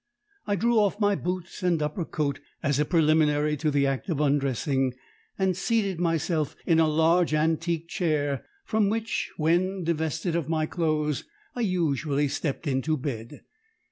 I drew off my boots and upper coat as a preliminary to the act of undressing, and seated myself in a large antique chair, from which, when divested of my clothes, I usually stepped into bed.